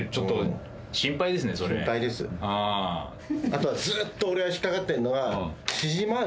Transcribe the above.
後はずっと俺が引っ掛かってんのは。